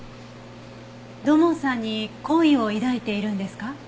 土門さんに好意を抱いているんですか？